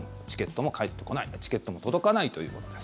もちろんチケットも届かないということです。